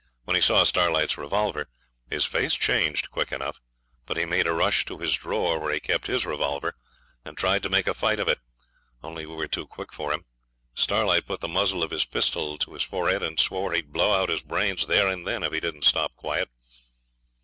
When he saw Starlight's revolver, his face changed quick enough, but he made a rush to his drawer where he kept his revolver, and tried to make a fight of it, only we were too quick for him. Starlight put the muzzle of his pistol to his forehead and swore he'd blow out his brains there and then if he didn't stop quiet.